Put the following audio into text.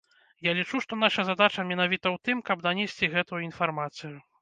Я лічу, што наша задача менавіта ў тым, каб данесці гэтую інфармацыю.